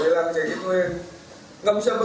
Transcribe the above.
dia bilang kenapa bisa menempel